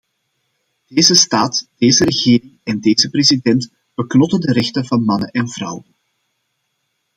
Deze staat, deze regering en deze president beknotten de rechten van mannen en vrouwen.